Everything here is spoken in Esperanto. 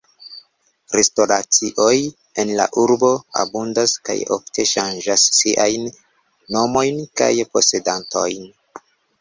Restoracioj en la urbo abundas kaj ofte ŝanĝas siajn nomojn kaj posedantojn.